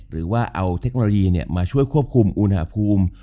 หรือว่าเอาเทคโนโลยีมาช่วยควบคุมอุณหภูมิ